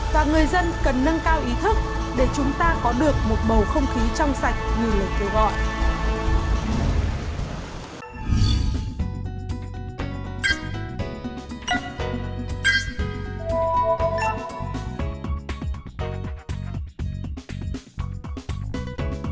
và người dân cần nâng cao ý thức để chúng ta có được một bầu không khí trong sạch như lời kêu gọi